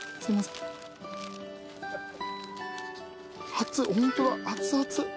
熱っホントだ熱々。